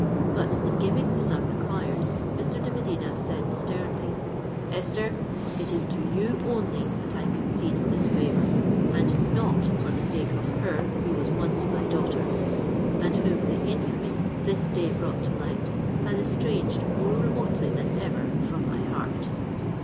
But in giving the sum required, Mr. de Medina said sternly, "Esther, it is to you only that I concede this favour—and not for the sake of her who was once my daughter, and whom the infamy this day brought to light has estranged more remotely than ever from my heart!"